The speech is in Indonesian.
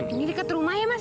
ini dekat rumah ya mas